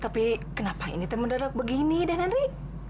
tapi kenapa ini termedadak begini den henry